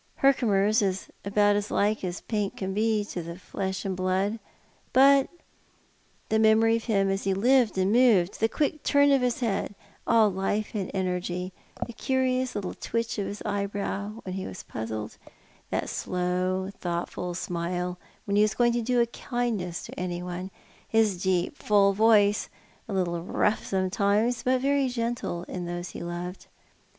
Hcrkomer's is about as like as paint can be to flesh and blood. But the memory of him as he lived and moved — the quick turn of his head, all life and energy— the curious little Lady PenritJis Idea. 199 twitch of his eyebrow when he was puzzled — that slow, thouglit ful smile wheu he was going to do a kiiiduess to any one— his deep, full voice, a little rough sometimes, but very gentle to those he loved